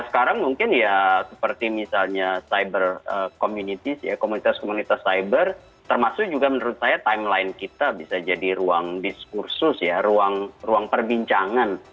sekarang mungkin ya seperti misalnya cyber community komunitas komunitas cyber termasuk juga menurut saya timeline kita bisa jadi ruang diskursus ya ruang perbincangan